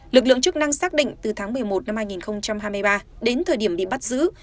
lực lượng chức năng xác định từ tháng một mươi một năm hai nghìn hai mươi ba đến thời điểm bị bắt giữ